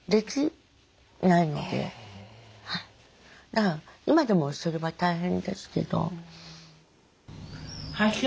だから今でもそれは大変ですけど。